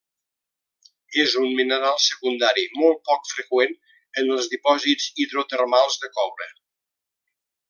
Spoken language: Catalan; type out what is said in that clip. És un mineral secundari molt poc freqüent en els dipòsits hidrotermals de coure.